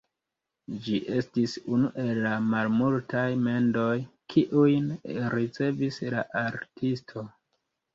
Ĝi estis unu el la malmultaj mendoj, kiujn ricevis la artisto.